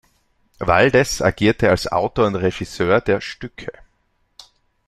Valdez agierte als Autor und Regisseur der Stücke.